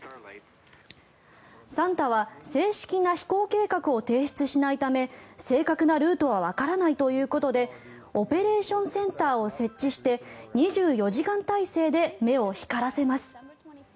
サンタは正式な飛行計画を提出しないため正確なルートはわからないということでオペレーションセンターを設置して２４時間体制で目を光らせます。